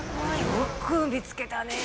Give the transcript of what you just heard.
よく見つけたね。